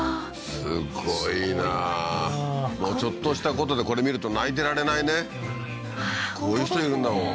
すごいなもうちょっとしたことでこれ見ると泣いてられないねこういう人いるんだもん